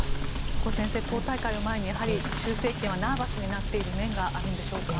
阿古先生、党大会を前にやはり習政権はナーバスになっている面があるんでしょうか。